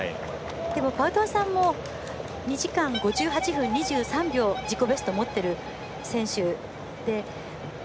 パウトワさんも２時間５８分２３秒自己ベスト持ってる選手。